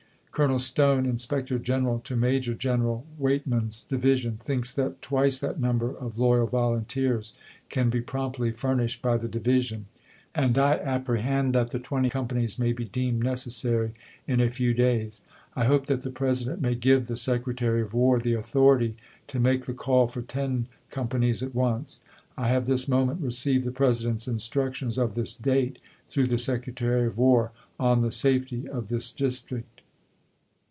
Colonel Stone, inspector general to Major General Weightraan's division, thinks that twice that number of loyal volunteers can be promptly fur nished by the division, and I apprehend that the twenty companies may be deemed necessary in a few days. I hope that the President may give the Secretary of "War the authority to make the call for ten companies at once. ... I have this moment received the President's instruc tions of this date, through the Secretary of War, on the ms. safety of this District.